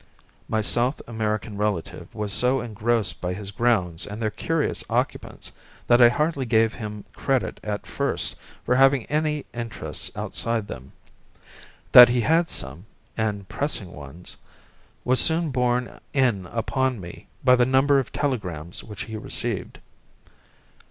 My South American relative was so engrossed by his grounds and their curious occupants, that I hardly gave him credit at first for having any interests outside them. That he had some, and pressing ones, was soon borne in upon me by the number of telegrams which he received.